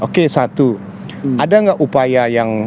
oke satu ada nggak upaya yang